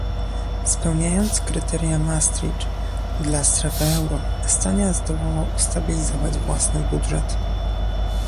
Spełniając kryteria Maastricht dla strefy euro, Estonia zdołała ustabilizować własny budżet